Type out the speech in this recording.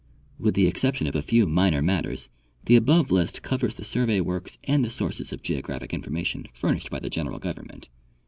With the exception of a few minor matters, the above list covers the survey works and the sources of geographic information furnished by the general government.